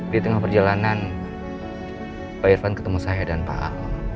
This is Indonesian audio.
di tengah perjalanan pak irfan ketemu saya dan pak ahok